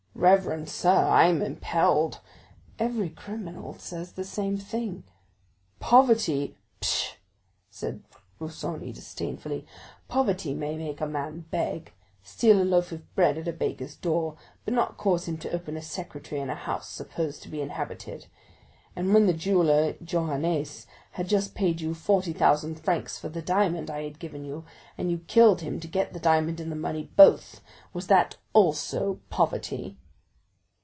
"Reverend sir, I am impelled——" "Every criminal says the same thing." "Poverty——" "Pshaw!" said Busoni disdainfully; "poverty may make a man beg, steal a loaf of bread at a baker's door, but not cause him to open a secretaire in a house supposed to be inhabited. And when the jeweller Johannes had just paid you 45,000 francs for the diamond I had given you, and you killed him to get the diamond and the money both, was that also poverty?"